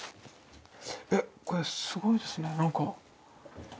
えっこれすごいですねなんか。